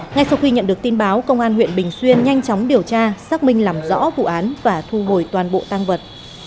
ngay sau khi nhận được tin báo công an huyện bình xuyên nhanh chóng điều tra xác minh làm rõ vụ án và thu hồi toàn bộ tăng vật